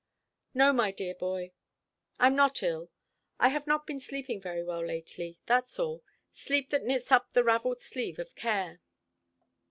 "No, my dear boy, I'm not ill; I have not been sleeping very well lately that's all. 'Sleep that knits up the ravelled sleave of care.'"